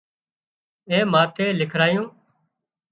اين ماٿي لکرايون